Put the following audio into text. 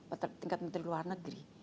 atau tingkat menteri luar negeri